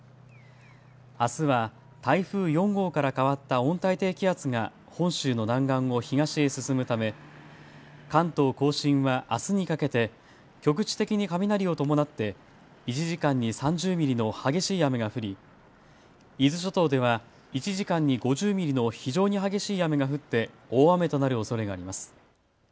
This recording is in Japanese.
あすは台風４号から変わった温帯低気圧が本州の南岸を東へ進むため関東甲信はあすにかけて局地的に雷を伴って１時間に３０ミリの激しい雨が降り伊豆諸島では１時間に５０ミリの非常に激しい雨が降って大雨となるおそれがあります。